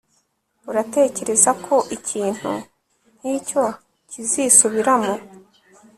Uratekereza ko ikintu nkicyo kizisubiramo